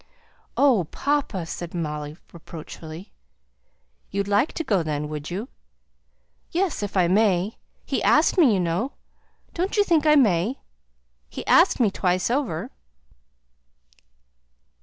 "Oh, papa!" said Molly, reproachfully. "You'd like to go then, would you?" "Yes; if I may! He asked me, you know. Don't you think I may? he asked me twice over."